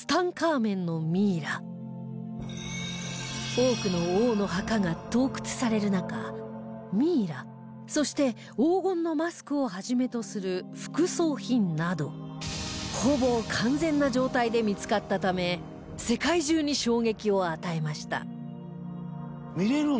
多くの王の墓が盗掘される中ミイラそして黄金のマスクを始めとする副葬品などほぼ完全な状態で見つかったため世界中に衝撃を与えました